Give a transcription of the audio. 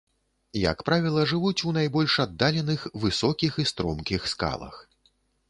Як правіла, жывуць у найбольш аддаленых, высокіх і стромкіх скалах.